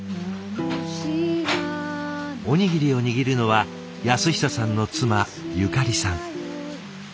おにぎりを握るのは安久さんの妻ゆかりさん。